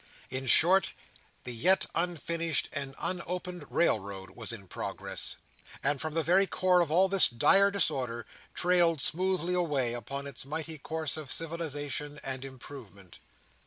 In short, the yet unfinished and unopened Railroad was in progress; and, from the very core of all this dire disorder, trailed smoothly away, upon its mighty course of civilisation and improvement.